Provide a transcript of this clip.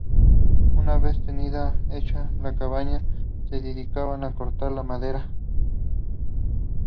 Una vez tenían hecha la cabaña, se dedicaban a cortar la madera.